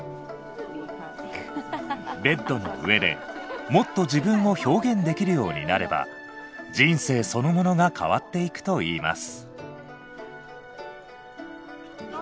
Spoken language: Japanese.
ベッドの上でもっと自分を表現できるようになれば人生そのものが変わっていくといいます。